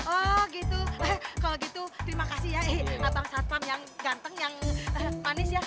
oh gitu kalau gitu terima kasih ya abang satpam yang ganteng yang panis ya